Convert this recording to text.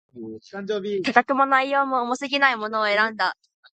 価格も、内容も、重過ぎないものを選んだ